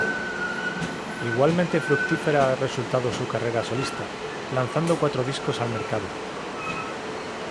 Igualmente fructífera ha resultado su carrera solista, lanzando cuatro discos al mercado.